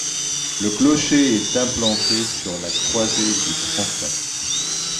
Le clocher est implanté sur la croisée du transept.